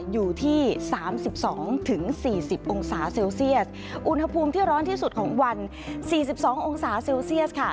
อยู่ที่๓๒๔๐องศาเซลเซียสอุณหภูมิที่ร้อนที่สุดของวัน๔๒องศาเซลเซียสค่ะ